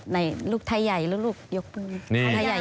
ในลูกไทยใหญ่และลูกยกปูย์